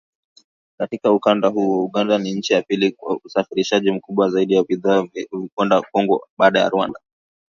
Katika ukanda huo Uganda ni nchi ya pili kwa usafirishaji mkubwa zaidi wa bidhaa kwenda Kongo baada ya Rwanda